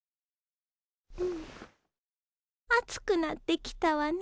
暑くなってきたわね